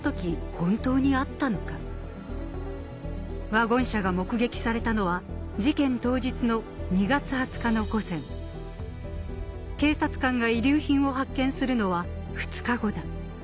その時ワゴン車が目撃されたのは事件当日の２月２０日の午前警察官が遺留品を発見するのは２日後だ